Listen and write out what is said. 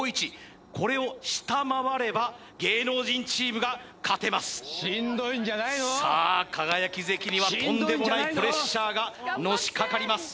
これを下回れば芸能人チームが勝てますさあ輝関にはとんでもないプレッシャーがのしかかります